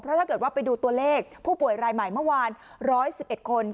ถ้าเกิดว่าไปดูตัวเลขผู้ป่วยรายใหม่เมื่อวาน๑๑๑คน